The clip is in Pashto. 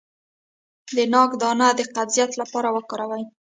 د ناک دانه د قبضیت لپاره وکاروئ